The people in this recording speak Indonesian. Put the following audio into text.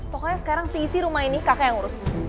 pokoknya sekarang si isi rumah ini kakak yang urus